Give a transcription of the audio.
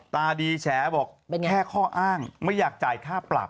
ตาดีแฉบอกแค่ข้ออ้างไม่อยากจ่ายค่าปรับ